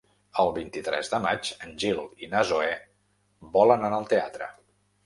El vint-i-tres de maig en Gil i na Zoè volen anar al teatre.